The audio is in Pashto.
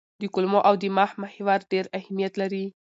د کولمو او دماغ محور ډېر اهمیت لري.